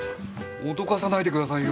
おどかさないでくださいよ。